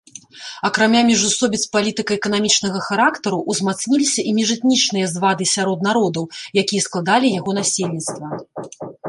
Акрамя міжусобіц палітыка-эканамічнага характару, узмацніліся і міжэтнічныя звады сярод народаў, якія складалі яго насельніцтва.